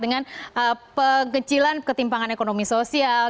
dengan pekecilan ketimpangan ekonomi sosial